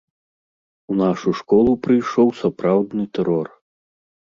У нашу школу прыйшоў сапраўдны тэрор.